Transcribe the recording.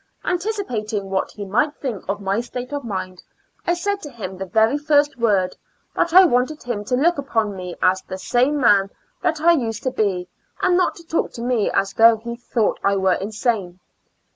Anticipating what he might think of my state of mind, I said to him the very first word, that I wanted him to look upon me as the same man that I used to be, and not to talk to me as though he thought I were insane.